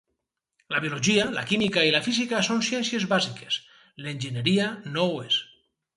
La biologia, la química i la física són ciències bàsiques; l'enginyeria no ho és.